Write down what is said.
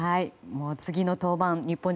次の登板日本